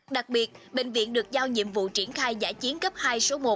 đặc biệt bệnh viện được giao nhiệm vụ triển khai giải chiến cấp hai số một